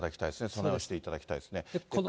備えをしていただきたいですね。